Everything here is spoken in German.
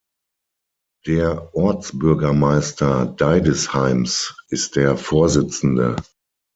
Der Ortsbürgermeister Deidesheims ist der Vorsitzende.